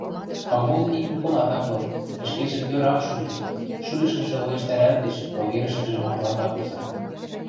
Пагул ик юкымат ак лык, ӹшкежӹ тӧр ак шӱлӹ, шӱлӹшӹжӹ лоэштӓрӓлтеш, логерӹшкӹжӹ маклака куза.